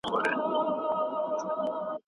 ډېرو هوښیارانو راته وویل، چې مهکوه